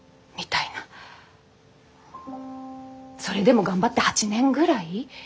それでも頑張って８年ぐらい？